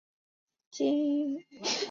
金鱼藻是金鱼藻科金鱼藻属的植物。